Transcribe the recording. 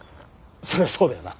そりゃそうだよな。